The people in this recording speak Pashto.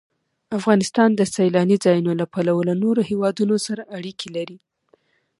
افغانستان د سیلانی ځایونه له پلوه له نورو هېوادونو سره اړیکې لري.